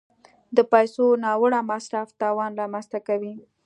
د پیسو ناوړه مصرف تاوان رامنځته کوي.